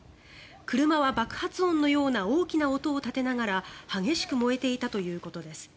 車は爆発音のような大きな音を立てながら激しく燃えていたということです。